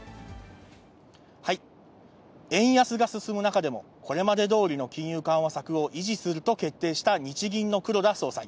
円安が進む中でも、これまでどおりの金融緩和策を維持すると決定した日銀の黒田総裁。